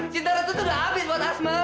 cinta restu tuh udah habis buat asma